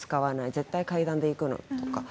絶対階段で行くのとか。